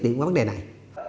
mình cũng chắc hỗ trợ đặc viên